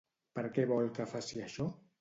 Per què vol que faci això?